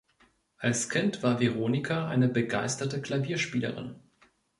Als Kind war Veronika eine begeisterte Klavierspielerin.